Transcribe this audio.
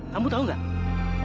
kamu tahu nggak